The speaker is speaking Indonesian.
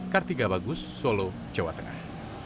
kartiga bagus solo jawa tengah